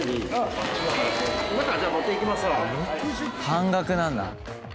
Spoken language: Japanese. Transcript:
半額なんだ。